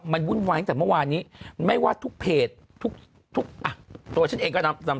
มันวุ่นวายตั้งแต่เมื่อวานนี้ไม่ว่าทุกเพจทุกทุกอ่ะตัวฉันเองก็นำ